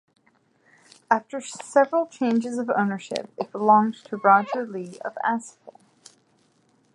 After several changes of ownership it belonged to Roger Leigh of Aspull.